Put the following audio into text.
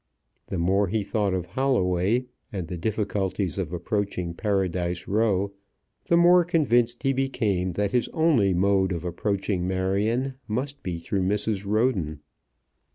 The more he thought of Holloway, and the difficulties of approaching Paradise Row, the more convinced he became that his only mode of approaching Marion must be through Mrs. Roden.